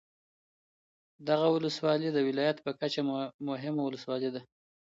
دغه ولسوالي د ولایت په کچه مهمه ولسوالي ده.